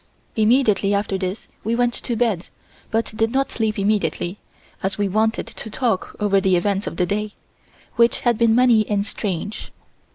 Immediately after this we went to bed, but did not sleep immediately, as we wanted to talk over the events of the day, which had been many and strange.